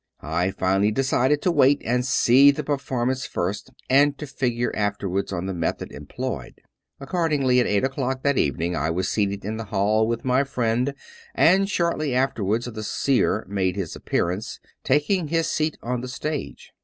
I finally decided to wait and see the perform ance first, and to figure afterwards on the method em ployed. Accordingly, at eight o'clock that evening I was seated in the hall with my friend, and shortly afterwards the " Seer " made his appearance, taking his seat on the stage.